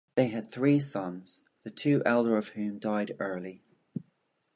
They had three sons, the two elder of whom died early.